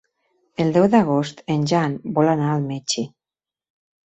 El deu d'agost en Jan vol anar al metge.